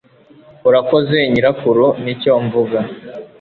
urakoze nyirakuru, nicyo mvuga